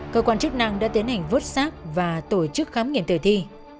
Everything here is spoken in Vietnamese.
cơ quan chức năng đã tiến hành vớt xác và tổ chức khám nghiệm tử thi